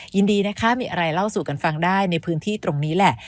ยินดีนะคะมีอะไรเล่าสู่กันฟังได้ในพื้นที่ตรงนี้แหละ